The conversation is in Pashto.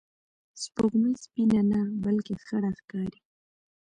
سپوږمۍ سپینه نه، بلکې خړه ښکاري